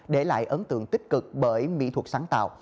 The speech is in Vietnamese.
để lại ấn tượng tích cực bởi mỹ thuật sáng tạo